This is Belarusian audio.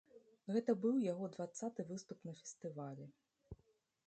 Гэта быў яго дваццаты выступ на фестывалі.